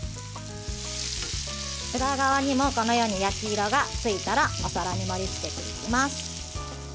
裏側にも、このように焼き色がついたらお皿に盛りつけていきます。